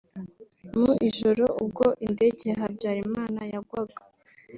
Mu ijoro ubwo indege ya Habyarimana yagwaga